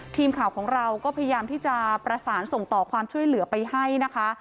ทีมข่าวของเราก็พยายามที่จะประสานส่งต่อความช่วยเหลือไปให้นะคะ